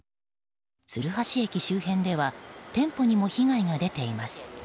鶴橋駅周辺では店舗にも被害が出ています。